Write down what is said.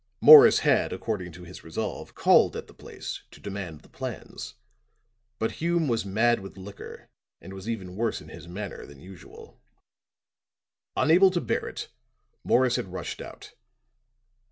Morris had, according to his resolve, called at the place to demand the plans; but Hume was mad with liquor and was even worse in his manner than usual. Unable to bear it, Morris had rushed out.